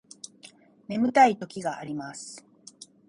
眠たい時があります